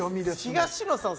東野さん